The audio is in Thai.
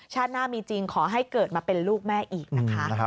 หน้ามีจริงขอให้เกิดมาเป็นลูกแม่อีกนะคะ